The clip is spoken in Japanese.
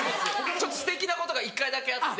ちょっとすてきなことが一回だけあって。